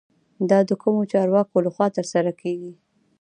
دا د کومو چارواکو له خوا ترسره کیږي؟